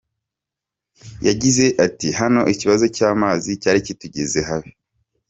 Yagize ati “Hano ikibazo cy’amazi cyari kitugeze habi.